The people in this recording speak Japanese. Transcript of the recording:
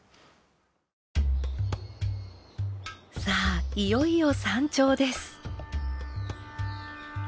さあいよいよ山頂です。